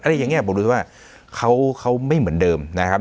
อะไรอย่างเงี้ยผมรู้สึกว่าเค้าเค้าไม่เหมือนเดิมนะครับ